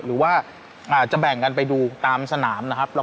เราไม่มีพวกมันเกี่ยวกับพวกเราแต่เราไม่มีพวกมันเกี่ยวกับพวกเรา